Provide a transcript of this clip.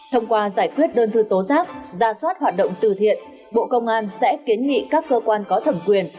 thông qua giải quyết đơn thư tố giác ra soát hoạt động từ thiện bộ công an sẽ kiến nghị các cơ quan có thẩm quyền